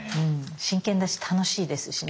真剣だし楽しいですしね。